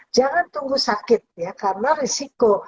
jangan tunggu sakit ya karena risiko